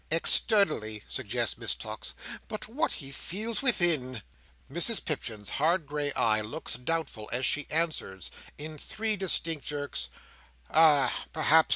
"Externally," suggests Miss Tox "But what he feels within!" Mrs Pipchin's hard grey eye looks doubtful as she answers, in three distinct jerks, "Ah! Perhaps.